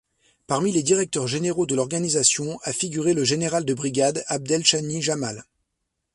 Parmi les directeurs généraux de l'organisation a figuré le général de brigade Abdel-Chani Jamal.